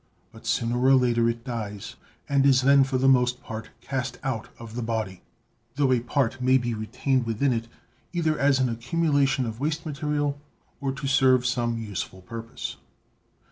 But sooner or later it dies, and is then for the most part cast out of the body (tho a part may be retained within it, either as an accumulation of waste material, or to serve some useful purpose).